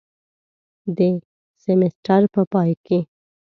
د سیمیستر په پای کې